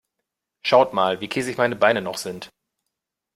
Schaut mal, wie käsig meine Beine noch sind.